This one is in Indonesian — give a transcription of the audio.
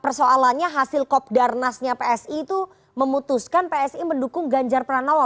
persoalannya hasil kopdarnasnya psi itu memutuskan psi mendukung ganjar pranowo